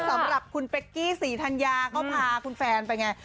สำหรับคุณเป๊กกี้ศรีธัญญาเขาพาคุณแฟนไปไง